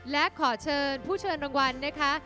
และขอเชิญผู้เชิญรางวัลนะคะ